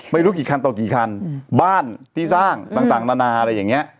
ไม่รู้กี่คันต่อกี่คันบ้านที่สร้างต่างนานาอะไรอย่างเงี้ย